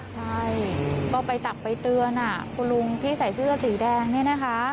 ใช่ก็ไปตักไปเตือนคุณลุงที่ใส่เสื้อสีแดงเนี่ยนะคะ